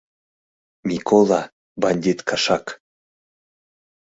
— Микола, бандит кашак!